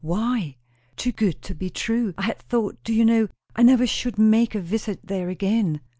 "Why?" "Too good to be true. I had thought, do you know, I never should make a visit there again."